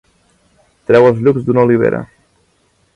Treu els llucs d'una olivera.